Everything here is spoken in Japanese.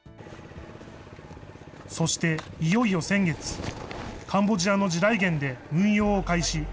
そして、いよいよ先月、カンボジアの地雷原で運用を開始。